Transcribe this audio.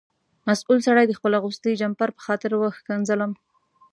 مسؤل سړي د خپل اغوستي جمپر په خاطر وښکنځلم.